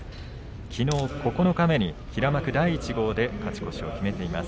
きのう九日目に平幕第１号で勝ち越しを決めています。